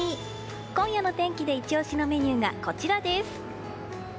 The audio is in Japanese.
今夜の天気でイチ押しのメニューがこちらです。